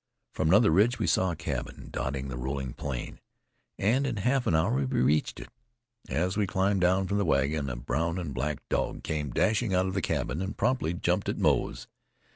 From another ridge we saw a cabin dotting the rolling plain, and in half an hour we reached it. As we climbed down from the wagon a brown and black dog came dashing out of the cabin, and promptly jumped at Moze.